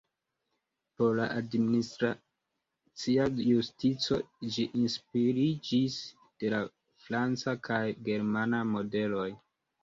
Por la administracia justico ĝi inspiriĝis de la franca kaj germana modeloj.